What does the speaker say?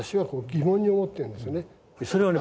それはね